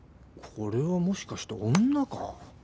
これはもしかして女か？